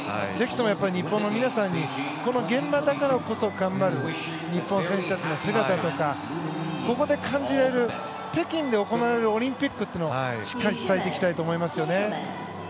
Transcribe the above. ぜひとも日本の皆さんにこの現場だからこそ頑張る日本選手団の姿とかここで感じられる北京で行われるオリンピックというのをしっかり伝えていきたいと思いますよね。